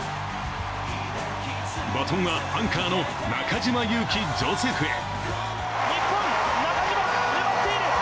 バトンはアンカーの中島佑気ジョセフへ。